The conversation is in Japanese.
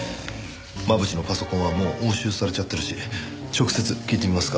真渕のパソコンはもう押収されちゃってるし直接聞いてみますか。